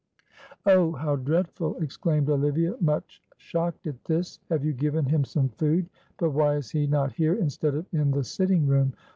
"Oh, how dreadful!" exclaimed Olivia, much shocked at this. "Have you given him some food? But why is he not here instead of in the sitting room?